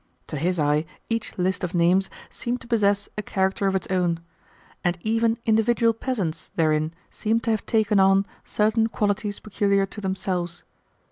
To his eye each list of names seemed to possess a character of its own; and even individual peasants therein seemed to have taken on certain qualities peculiar to themselves.